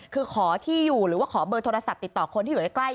คือขอที่อยู่หรือว่าขอเบอร์โทรศัพท์ติดต่อคนที่อยู่ใกล้